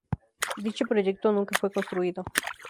Dicho proyecto nunca fue construido.